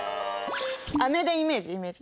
飴でイメージイメージ。